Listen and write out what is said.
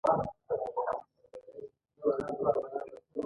مرغابۍ په ارامو اوبو کې خپل خوراک لټوي